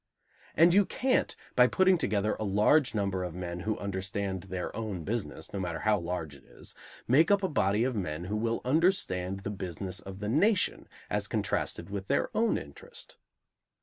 And you can't, by putting together a large number of men who understand their own business, no matter how large it is, make up a body of men who will understand the business of the nation as contrasted with their own interest.